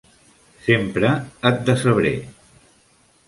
Sempre et decebré!